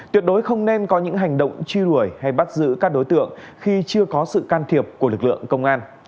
tuyệt đối không nên có những hành động truy đuổi hay bắt giữ các đối tượng khi chưa có sự can thiệp của lực lượng công an